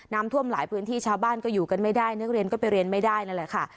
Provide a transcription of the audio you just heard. น้ำท่วมหลายพื้นที่ชาวบ้านก็อยู่กันไม่ได้นักเรียนก็ไปเรียนไม่ได้นั่นแหละค่ะ